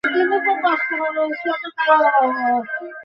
আমি বাল্যাবস্থায় একবার ঐরূপ চেষ্টা করিয়াছিলাম, কিন্তু কৃতকার্য হই নাই।